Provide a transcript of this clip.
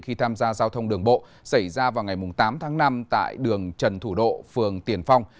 khi tham gia giao thông đường bộ xảy ra vào ngày tám tháng năm tại đường trần thủ độ phường tiền phong